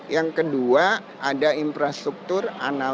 yang kedua ada infrastruktur